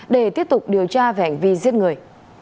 để tiếp tục điều tra hành vi giết người